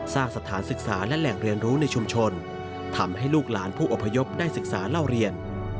สถานศึกษาและแหล่งเรียนรู้ในชุมชนทำให้ลูกหลานผู้อพยพได้ศึกษาเล่าเรียน